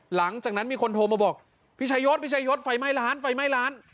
หลังจากนั้นมีคนโทรมาบอกพี่ชายศพี่ชายศไฟไหม้ร้านไฟไหม้ร้าน